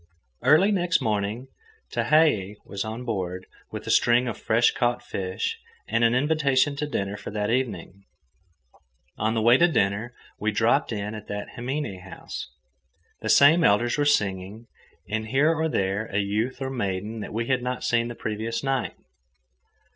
Early next morning Tehei was on board, with a string of fresh caught fish and an invitation to dinner for that evening. On the way to dinner, we dropped in at the himine house. The same elders were singing, with here or there a youth or maiden that we had not seen the previous night.